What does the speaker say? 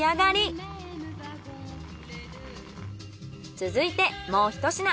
続いてもうひと品。